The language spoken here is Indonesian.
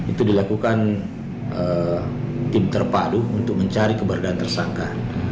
itu dilakukan tim terpadu untuk mencari keberadaan tersangka